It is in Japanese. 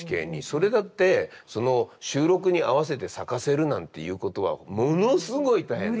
それだって収録に合わせて咲かせるなんていうことはものすごい大変。